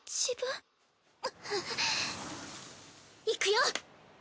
いくよ！